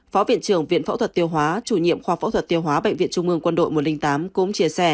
phó viện trưởng viện phẫu thuật tiêu hóa chủ nhiệm khoa phẫu thuật tiêu hóa bệnh viện trung ương quân đội một trăm linh tám cũng chia sẻ